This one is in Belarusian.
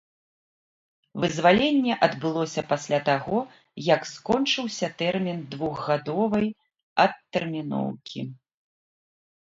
Вызваленне адбылося пасля таго, як скончыўся тэрмін двухгадовай адтэрміноўкі.